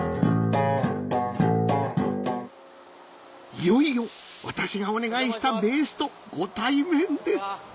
いよいよ私がお願いしたベースとご対面です！